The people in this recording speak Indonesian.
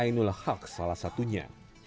ainul hak salah satunya